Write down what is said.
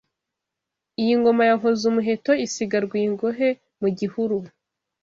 Iyi ngoma ya Nkoz-umuheto Isiga Rwingohe mu gihuru